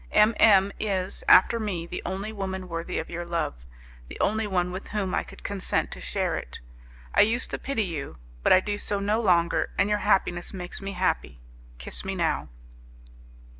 M M is, after me, the only woman worthy of your love, the only one with whom I could consent to share it. I used to pity you, but I do so no longer, and your happiness makes me happy. Kiss me now."